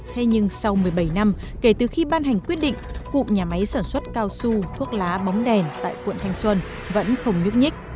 thế nhưng sau một mươi bảy năm kể từ khi ban hành quyết định cụm nhà máy sản xuất cao su thuốc lá bóng đèn tại quận thanh xuân vẫn không nhúc nhích